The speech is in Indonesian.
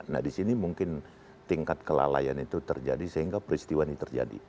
nah di sini mungkin tingkat kelalaian itu terjadi sehingga peristiwa ini terjadi